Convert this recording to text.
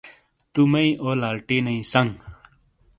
تو مئی او، لالٹینئی سنگ